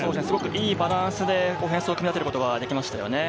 いいバランスでオフェンスを組み立てることができましたね。